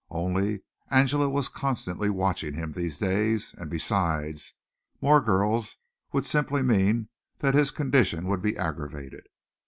Only, Angela was constantly watching him these days and, besides, more girls would simply mean that his condition would be aggravated.